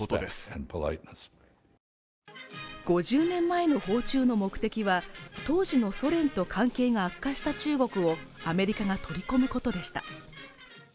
５０年前の訪中の目的は当時のソ連と関係が悪化した中国をアメリカが取り込む事でした